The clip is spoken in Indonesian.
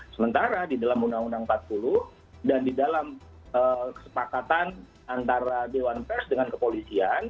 sementara di dalam undang undang empat puluh dan di dalam kesepakatan antara dewan pers dengan kepolisian